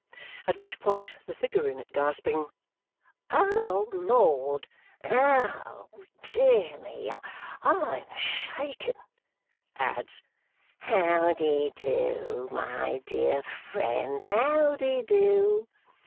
At which point the figure in it gasping, "O Lord! Oh, dear me! I am shaken!" adds, "How de do, my dear friend, how de do?"